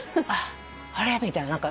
あれ？みたいな。